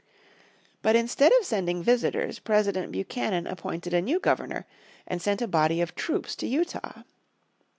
But instead of sending visitors President Buchanan appointed a new Governor, and sent a body of troops to Utah.